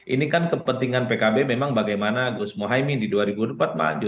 ini kan kepentingan pkb memang bagaimana gus mohaimin di dua ribu dua puluh empat maju